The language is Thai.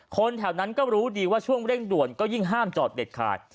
คนแถวนั้นก็รู้ดีว่าช่วงเร่งด่วนก็ยิ่งห้ามจอดเด็ดขาด